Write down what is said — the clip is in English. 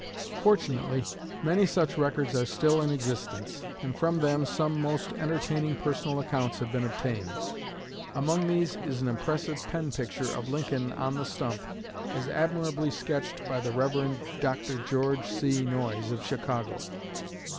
Fortunately, many such records are still in existence, and from them some most entertaining personal accounts have been obtained. Among these is an impressive pen picture of Lincoln on the stump, as admirably sketched by the Rev. Dr. George C. Noyes, of Chicago.